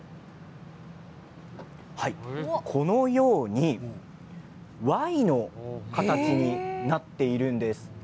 このようにＹの形になっているんです。